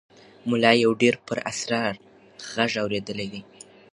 ملا یو ډېر پراسرار غږ اورېدلی دی.